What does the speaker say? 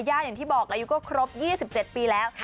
อย่างที่บอกอายุก็ครบ๒๗ปีแล้ว